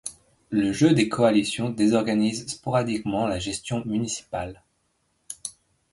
Le jeu des coalitions désorganise sporadiquement la gestion municipale.